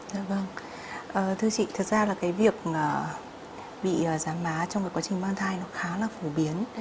thưa vâng thưa chị thật ra là cái việc bị giám má trong cái quá trình mang thai nó khá là phổ biến